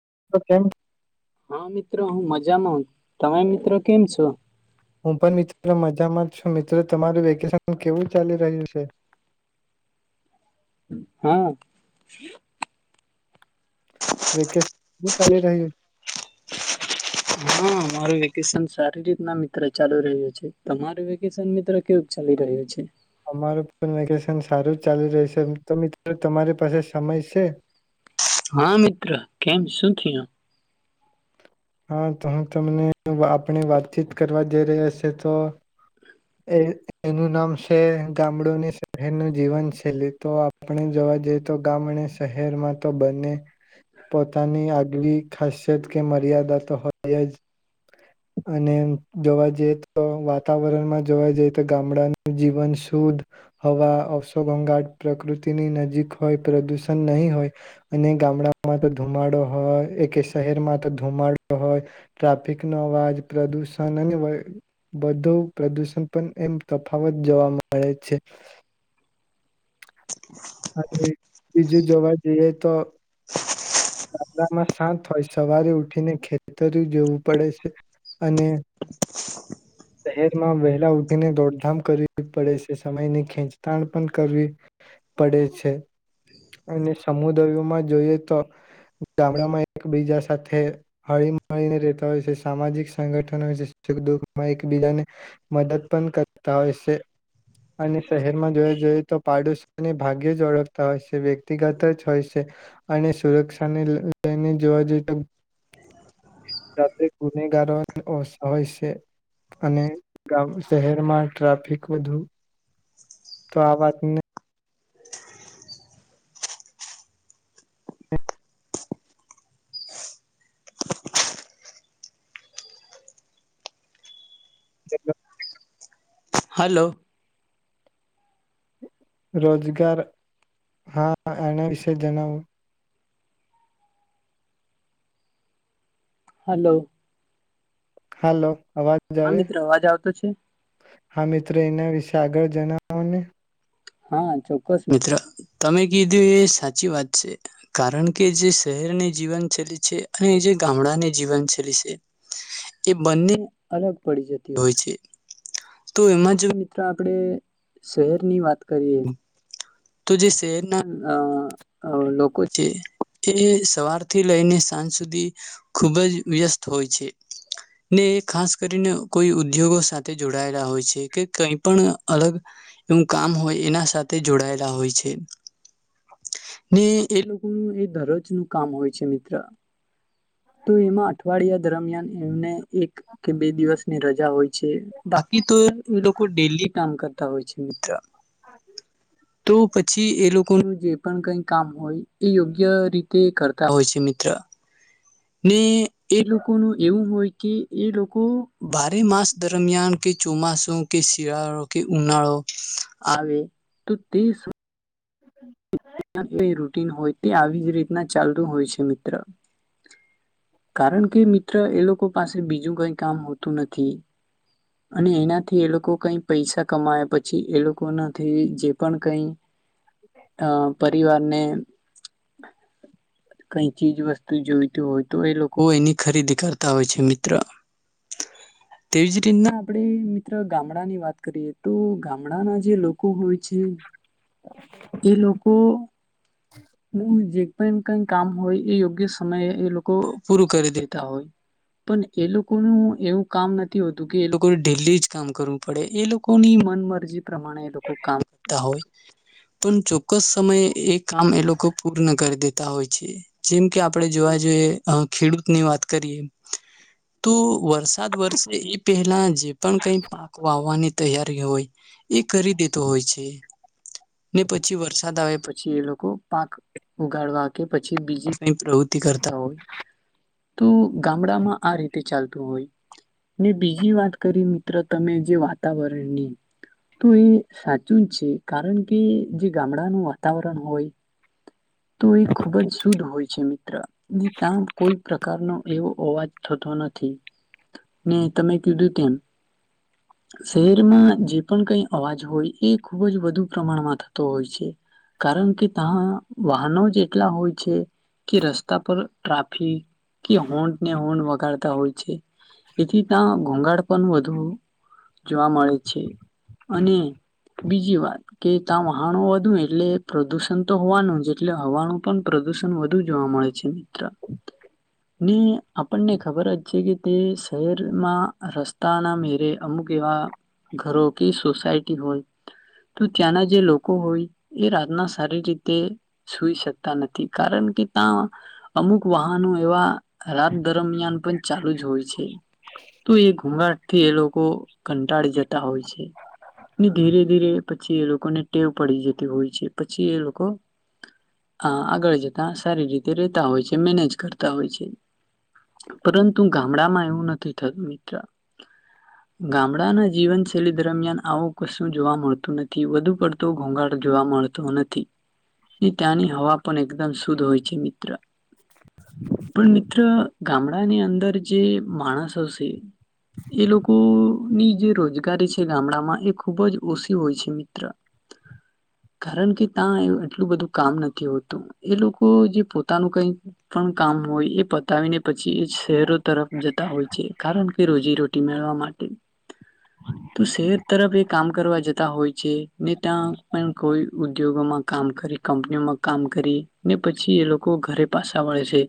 [inaudible] હા મિત્ર હું મજામાં તમે મિત્ર કેમ છો હું પણ મિત્ર મજામાં છું મિત્ર તમારું વેકેશન કેવું ચાલી રહ્યું છે હા વેકેશન કેવું ચાલી રહ્યું છે? હા મારું વેકેશન સારી રીતના મિત્ર ચાલી રહ્યું છે તમારું વેકેશન મિત્ર કેવું ચાલી રહ્યું છે અમારું વેકેશન સારું જ ચાલી રહેયું છે તો મિત્ર તમારી પાસે સમય છે હા મિત્ર કેમ શું થયુ હા તો હું તમને આપણે વાતચીત કરવા જઈ રહ્યા છે તો એ એનું નામ છે ગામડુંની શહેરનું જીવન શૈલી તો આપણે જોવા જઈએ તો ગામડ શહેરમાં તો બંને પોતાની આગવી ખાસિયત કે મર્યાદા [unintelligible] હોય અને જોવા જઈએ તો વાતાવરણમાં જોવા જઈએ તો ગામડાનું જીવન શુદ્ધ હવા અવસોગંગાટ પ્રકૃતિની નજીક હોય પ્રદુષણ નહી હોય અને ગામડામાં તો ધુમાડો હોય એ કે શહેરમાં તો ધુમાડો હોય ટ્રાફિક નો અવાજ પ્રદુષણ અને બધું પ્રદુષણ પણ એમ તફાવત જોવા મળે છે અને બીજું જોવા જઈએ તો ત્રમાં શાંત હોય સવારે ઉઠીને ખેતર જોવું પડે છે અને શહેરમાં વહેલા ઉઠીને દોડધામ કરવી પડે છે સમયની ખેંચતાણ પણ કરવી પડે છે અને સમુદાયમાં જોઈએ તો ગામડામાં એકબીજા સાથે હળી મળીને રહેેતા હોય છે સામાજિક સંગઠન હોય છે સુ દુઃખમાં એકબીજાને મદદ પણ કરતા હોય છે અને શહેરમાં જોવા જઈએ તો પાડોશોને ભાગ્ય જ ઓળખતા હોય છે વ્યક્તિગત જ હોય છે અને સુરક્ષાને લઈને જોવા જઈ તો [unintelligible] ગુનેગારો ઓછ હોય છે અને ગામ શહેરમાં ટ્રાફિક વધુ તો આ વાતની [inaudible] હલો રોજગાર હા આના વિશે જણાવો હલો હલો અવાજ હા આવે મિત્ર અવાજ આવતો છે હા મિત્ર એના વિશે આગળ જણાવોને હા ચોક્કસ મિત્ર તમે કીધું એ સાચી વાત છે કારણ કે જે શહેરની જીવનશૈલી છે અને જે ગામડાને જીવનશૈલી છે એ બંને અલગ પડી જતી હોય છે તો એમાં જો મિત્ર આપણે શહેરની વાત કરીએ તો જે શહેરના લોકો છે એ સવારથી લઈને સાંજ સુધી ખુબ જ વ્યસ્ત હોય છે ને એ ખાસ કરીને કોઈ ઉદ્યોગો સાથે જોડાયેલા હોય છે કે કઈ પણ અલગ એવું કામ હોય એના સાથે જોડાયેલા જોડાયેલા હોઈ છે ને એ લોકોનું એ દરોજ નું કામ હોય છે મિત્ર તો એમાં અઠવાડિયા દરમિયાન એમને એક કે બે દિવસની રજા હોય છે બાકી તો એ લોકો ડેલી કામ કરતા હોય છે તો પછી એ લોકોનું જે પણ કઈ કામ હોય એ યોગ્ય રીતે કરતા હોય છે મિત્ર ને એ લોકોનું એવું હોય કે એ લોકો બારે માસ દરમિયાન કે ચોમાસો કે શિયાળો કે ઉનાળો આવે તો તે પર [unintelligible] હોય તે આવી જ રીતના ચાલતું હોય છે મિત્ર. કારણ કે મિત્ર એ લોકો પાસે બીજું કઈ કામ હોતું નથી, અને એનાથી એ લોકો કઈ પૈસા કમાયા પછી એ લોકોનાથી જે પણ કઈ અ પરિવારને કઈ ચીજ વસ્તુ જોઈતી હોય તો એ લોકો એની ખરીદી કરતા હોય છે મિત્ર. [inaudible] તેવી જ રીતના આપણે મિત્ર ગામડાની વાત કરીએ તો ગામડાના જે લોકો હોય છે. એ લોકો નું જે કઈ કઈ કામ હોય એ યોગ્ય સમયે એ લોકો પૂરું કરી દેતા હોય, પણ એ લોકોનું એવું કામ નથી હોતું કે એ લોકો ડેલી જ કામ કરવું પડે એ લોકોની મન મરજી પ્રમાણે એ લોકો કામ કરતા હોય. હ [inaudible] તુનચુંપ ચોક્કસ સમયે એ કામ એ લોકો પૂર્ણ કરી દેતા હોય છે, જેમ કે આપણે જોવા જોઈએ ખેડૂતની વાત કરીએ, તો વરસાદ વરસે એ પહેલા જે પણ કઈ પાક વાવવાની તૈયારી હોય, એ કરી દેતો હોય છે. ને પછી વરસાદ આવે પછી એ લોકો પાક ઉગાડવા કે પછી બીજી કઈ પ્રવૃતિ કરતા હોય, તો ગામડામાં આ રીતે ચાલતું હોય, ને બીજી વાત કરી મિત્ર તમે જે વાતાવરણની, તો એ સાચું જ છે કારણ કે કે જે ગામડાનું વાતાવરણ હોય, તો એ ખૂબ જ શુદ્ધ હોય છે મિત્ર ને ત્યાં કોઈ પ્રકારનો એવો અવાજ થતો નથી, ને તમે કીધું તેમ, શહેરમાં જે પણ કઈ અવાજ હોય એ ખુબ જ વધુ થ હોય છે, કારણ કે ત્યાં વાહનો જ એટલા હોય છે, કે રસ્તા પર ટ્રાફિક કે હોર્ડ ને હોન વગાડતા હોય છે, એથી ત્યાં ઘોઘાળ પણ વધુ જોવા મળે છે, અને બીજી વાત કે ત્યાં વાહાણો વધુ ને એટલે પ્રદુષણ તો હોવાનું જ એટલે હવાનું પણ પ્રદુષણ વધુ જોવા મળે છે મિત્ર, ને આપણને ખબર જ છે કે શહેરમાં રસ્તાના મેરે અમુક એવા ઘરો કે સોસાયટી હોય. તો ત્યાંના જે લોકો હોય, એ રાતના સારી રીતે સુઇ શકતા નથી કારણ કે ત્યાં, અમુક વાહનો એવા રાત દરમિયાન પણ ચાલુ જ હોય છે, તો એ ઘૂઘરાટથી એ લોકો કંટાળી જતા હોય છે, ને ધીરે ધીરે પછી એ લોકોને ટેવ પડી જતી હોય છે પછી એ લોકો, અ આગળ જતા સારી રીતે રેતા હોય છે મેનેજ કરતા હોય છે, પરંતુ ગામડામાં એવું નથી થતું મિત્ર, ગામડાના જીવનશૈલી દરમિયાન આવું કશું જોવા મળતું તુ નથી, વધુ પડતો ઘોંઘાટ જોવા મળતો નથી, ને ત્યાંની હવા પણ એકદમ શુદ્ધ હોય છે મિત્ર. પણ મિત્ર ગામડાની અંદર જે માણસ હશે, એ લોકોની જે રોજગારી છે ગામડામાં એ ખૂબ જ ઓછી હોય છે મિત્ર, કારણ કે ત્યાં એ એટલું બધું કામ નથી હોતું, એ લોકો જે પોતાનું કઈ પણ કામ હોય એ પતાવીને પછી એ શહેરો તરફ જતા હોય છે કારણ કે રોજીરોટી મેળવા માટે, તો શહેર તરફ એ કામ કરવા જ તા હોય છે ને ત્યાં પણ કોઈ ઉદ્યોગોમાં કામ કરી કંપનીઓમાં કામ કરી ને પછી એ લોકો ઘરે પાછા વળે છે,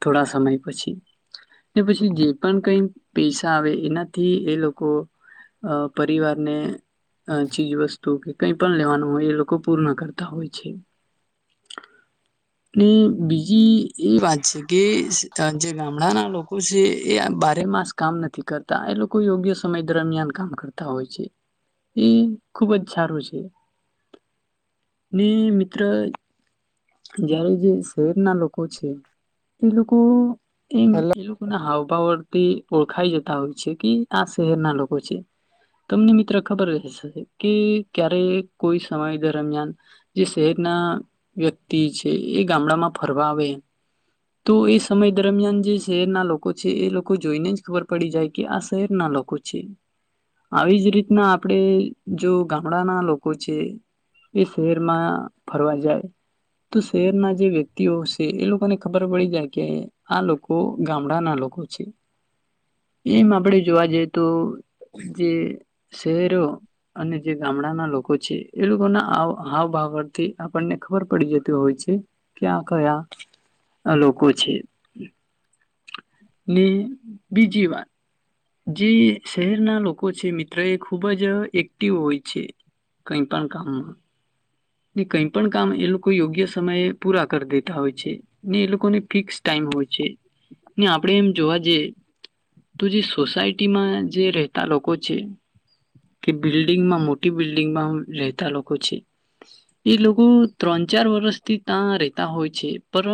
થોડા સમય પછી, ને પછી જે પણ કઈ પૈસા આવે એનાથી એ લોકો પરિવારને અ ચીજ વસ્તુ કે કઈ પણ લેવાનું હોય એ લોકો પૂર્ણ કરતા હોય છે, ને બીજી એ વાત છે કે સીતા જે ગામડાના લોકો છે એ બારે માસ કામ નથી કરતા, એ લોકો યોગ્ય સમય દરમિયાન કામ કરતા હોય છે. એ ખુબ જ સારું છે, ને મિત્ર જારે જે શહેરના લોકો છે, એ લોકો એમ હેલો એ લોકોને હાવભાવ વડતી ઓળખાઈ જતા હોય છે કે આ શહેરના લોકો છે, તમને મિત્ર ખબર કે ક્યારે કોઈ સમય દરમિયાન, જે શહેરના વ્યક્તિ છે એ ગામડામાં ફરવા આવે, તો એ સમય દરમિયાન જે શહેરના લોકો છે, એ લોકો જોઈને જ ખબર પડી જાય કે આ શહેરના લોકો છે, આવી જ રીતના આપણે જો ગામડાના લોકો છે, એ શહેરમાં ફરવા જાય, તો શહેરના જે વ્યક્તિઓ છે એ લોકોને ખબર પડી જાય કે આ લોકો ગામડાના લોકો છે, એમ આપણેે જોવા જઈએ તો જે શહેરો અને જે ગામડાના લોકો છે એ લોકોના આવ હાવભાગરથી આપણને ખબર પડી જતી હોય છે, કે આ કયા લોકો છે. ને બીજી વાત, જે શહેરના લોકો છે મિત્ર એ ખૂબ જ એક્ટિવ હોય છે કઈ પણ કામમાં, ને કઈ પણ કામ એ લોકો યોગ્ય સમયે પૂરા કરી દેતા હોય છે, ને એ લોકોને ફિક્સ ટાઈમ હોય છે. ને આપણે એમ જોવા જઈએ, તો જે સોસાયટીમાં જે રહેતા લોકો છે, કે બિલ્ડિંગમાં મોટી બિલ્ડિંગમાં રહેતા લોકો છે, એ લોકો ત્રણ ચાર વર્ષથી ત્યાં રહેતા હોય છે, પર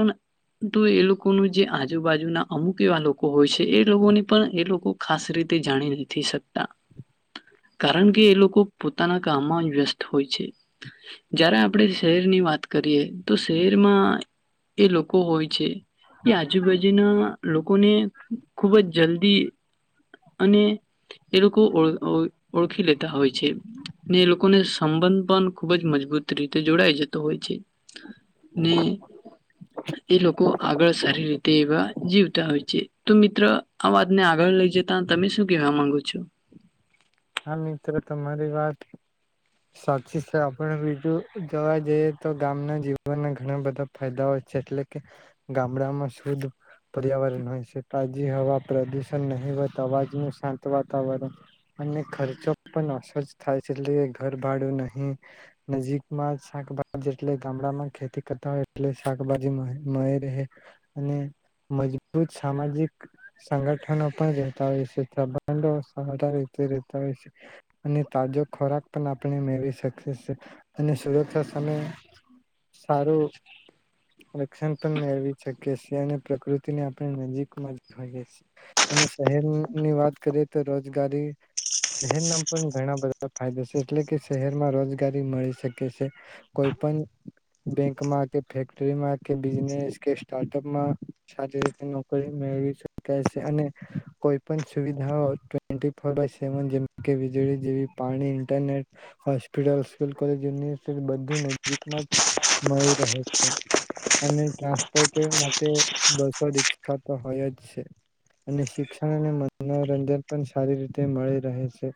તો એ લોકોનું જે આજુબાજુના અમુક એવા લોકો હોય છે એ લોકોને પણ એ લોકો ખાસ રીતે જાણી નથી શકતા, કારણ કે એ લોકો પોતાના કામમાં વ્યસ્ત હોય છે, જ્યારે આપણે શહેરની વાત કરીએ તો શહેરમાં એ લોકો હોય છે, એ આજુબાજુના લોકોને ખૂબ જ જલ્દી અને એ લોકો ઓ ઓ ઓળખી લેતા હોય છે. ને એ લોકોને સંબંધ પણ ખૂબ જ મજબૂત રીતે જોડાાય જતો હોય છે ને એ લોકો આગળ સારી રીતે એવા જીવતા હોય છે તો મિત્ર આ વાતને આગળ લઈ જતા તમે શું કેવા માંગુ છો હા મિત્ર તમારી વાત સાચી છે આપણે બીજું જોવા જઈએ તો ગામના જીવનના ઘણા બધા ફાયદાઓ છે એટલે કે ગામડામાં શુદ પર્યાવરણન હોય છે પ્રાય જે હવા પ્રદુષણ નહી વાત અવાજ ન શાંત વાતાવરણ અને ખર્ચો પણ ઓછોજ થાય છે. એટલે ઘર ભાડું નહી, નજીકમાં શાકભાજી એટલે ગામડામાં ખેતી કરતા હોય એટ શાકભાજી મળ મળી રહે. અને મજબૂત સામાજિક સંગઠનો પણ રહેતા હોય છે. સંબંધો વધારે તે રહેતા હોય છે. અને તાજો ખોરાક પણ આપણે મેળવી શકીએ છેએ. અને સુરક્ષા સામે સારું રક્ષણ પણ મેળવી શકીએ છેએ. અને પ્રકૃતિને આપણે નજીકમાં જોઈએ છે. અને શહેરની વાત કરીએ તો રોજગારી શહેર ના પણ ઘણા બધા ફાયદા છે. એટલે કે શહેરમાં રોજગારી મળી શકે છે. કોઈ પણ બેંકમાં કે ફેક્ટરીમાં કે બિનેસ કે સ્ટાર્ટઅપમાં સારી રીતે નોકરી મેળવી શકે છે. અને કોઈ પણ સુવિધાઓ [unintelligible] સવ જેમ કે વીજળી જેવી, પાણી, internet, hospital, school, college, university બધું નજીકમાં મળીજ રહે છે. અને ટ્રાન્સપોર્ટ માટે બસો, રિક્ષા તો હોય જ છે. અને શિક્ષણ અને મનોરંજન પણ સારી રીતે તે મળી રહે છે.